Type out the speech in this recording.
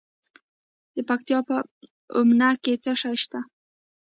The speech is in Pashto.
د پکتیکا په اومنه کې څه شی شته؟